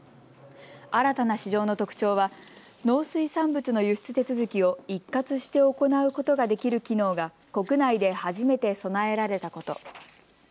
新たな市場の特徴は農水産物の輸出手続きを一括して行うことができる機能が国内で初めて備えられたこと。